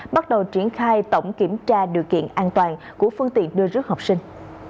bắt đầu triển khai tổng kiểm tra điều kiện an toàn của phương tiện đưa rước học sinh